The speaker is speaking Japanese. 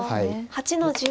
黒８の十。